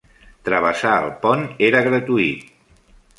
Travessar el pont era gratuït.